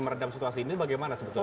meredam situasi ini bagaimana sebetulnya